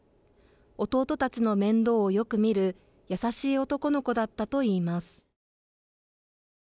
弟たちの面倒をよく見る優しい男の子だったといいます。